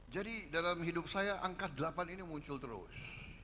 jadi dalam hidup saya angka delapan ini muncul terus